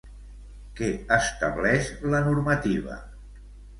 Què estableix la normativa?